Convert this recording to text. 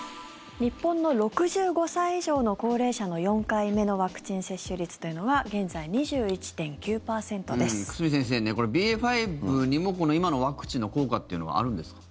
日本の６５歳以上の高齢者の４回目のワクチン接種率は久住先生、ＢＡ．５にも今のワクチンの効果というのはあるんですか。